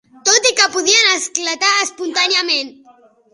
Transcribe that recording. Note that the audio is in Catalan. Tot i que podien esclatar espontàniament.